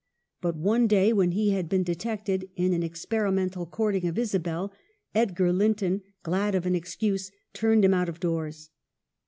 But one day, when he had been detected in an experimental courting of Isabel, Edgar Linton, glad of an excuse, turned him out of doors.